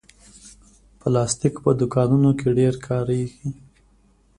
پلاستيک په دوکانونو کې ډېر کارېږي.